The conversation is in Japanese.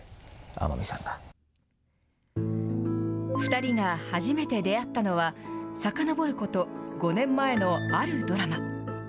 ２人が初めて出会ったのは、さかのぼること５年前のあるドラマ。